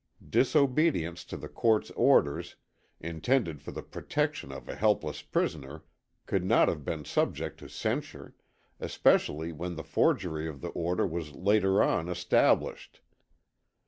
Disobedience to the court's orders, intended for the protection of a helpless prisoner, could not have been subject to censure, especially when the forgery of the order was later on established.